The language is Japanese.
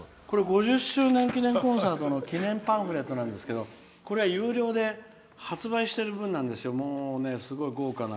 ５０周年記念コンサートの記念パンフレットなんですけどこれは有料で発売してる分なんですけどすごい豪華な。